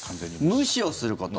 無視をすること。